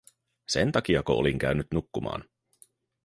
Sen takiako olin käynyt nukkumaan?